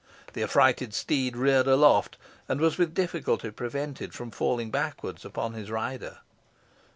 The affrighted steed reared aloft, and was with difficulty prevented from falling backwards upon his rider.